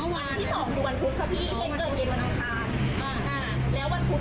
วันที่สองคือวันพุธครับพี่เกิดเกิดเกิดวันพุธ